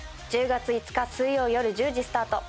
１０月５日水曜夜１０時スタート。